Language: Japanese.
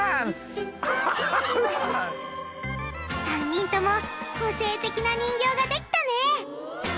３人とも個性的な人形ができたね！